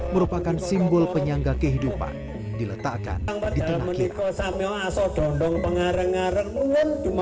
merupakan simbol penyangga kehidupan diletakkan di tengah kirap